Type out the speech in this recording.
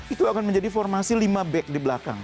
itu akan menjadi formasi lima back di belakang